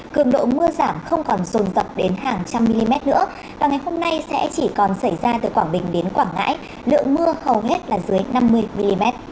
cường độ mưa giảm không còn rồn rập đến hàng trăm mm nữa và ngày hôm nay sẽ chỉ còn xảy ra từ quảng bình đến quảng ngãi lượng mưa hầu hết là dưới năm mươi mm